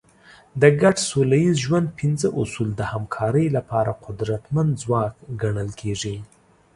د ګډ سوله ییز ژوند پنځه اصول د همکارۍ لپاره قدرتمند ځواک ګڼل کېږي.